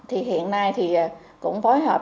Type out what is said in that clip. hiện nay cũng phối hợp